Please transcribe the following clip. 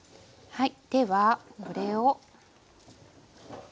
はい。